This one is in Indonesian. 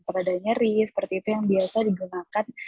padahal nyari seperti itu yang biasa digunakan